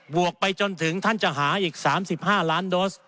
วกไปจนถึงท่านจะหาอีก๓๕ล้านโดส